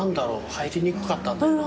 入りにくかったんだよな。